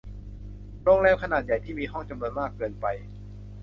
โรงแรมขนาดใหญ่ที่มีห้องจำนวนมากเกินไป